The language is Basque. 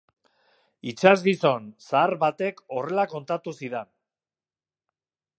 Itsasgizon zahar batek horrela kontatu zidan.